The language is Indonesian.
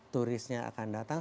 turisnya akan datang